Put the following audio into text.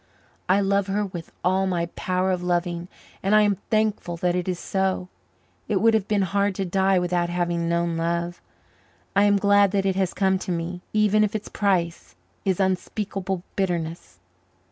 I love her with all my power of loving and I am thankful that it is so. It would have been hard to die without having known love. I am glad that it has come to me, even if its price is unspeakable bitterness.